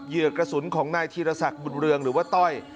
เหยื่อกระสุนของนายธีรศักดิบุญเรืองหรือว่าต้อย